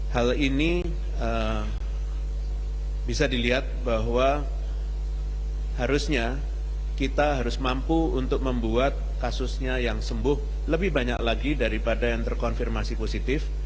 hal ini bisa dilihat bahwa harusnya kita harus mampu untuk membuat kasusnya yang sembuh lebih banyak lagi daripada yang terkonfirmasi positif